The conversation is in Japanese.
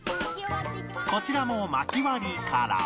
こちらも薪割りから